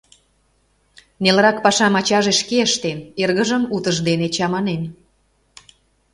Нелырак пашам ачаже шке ыштен, эргыжым утыждене чаманен.